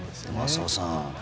浅尾さん